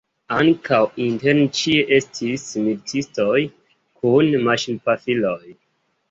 Ankaŭ interne ĉie estis militistoj kun maŝinpafiloj.